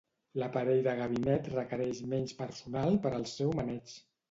L'aparell de ganivet requereix menys personal per al seu maneig.